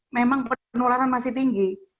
memang penularan masih tinggi